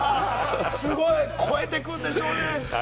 すごい。超えてくるんでしょうね。